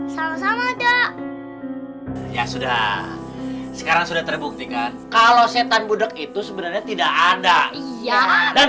sama sama aja ya sudah sekarang sudah terbuktikan kalau setan gudeg itu sebenarnya tidak ada iya dan